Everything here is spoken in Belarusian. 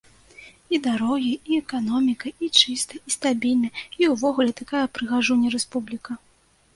І дарогі, і эканоміка, і чыста, і стабільна, і ўвогуле такая прыгажуня-рэспубліка.